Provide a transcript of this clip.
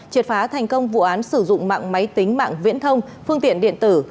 triệt phá thành công vụ án sử dụng mạng máy tính mạng viễn thông phương tiện điện tử